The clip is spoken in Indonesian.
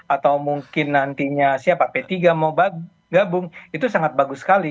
atau mungkin nantinya siapa p tiga mau gabung itu sangat bagus sekali